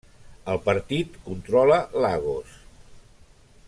El partit controla Lagos.